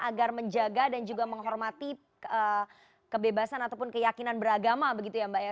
agar menjaga dan juga menghormati kebebasan ataupun keyakinan beragama begitu ya mbak ya